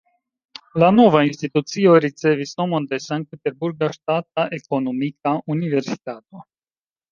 La nova institucio ricevis nomon de Sankt-Peterburga Ŝtata Ekonomika Universitato.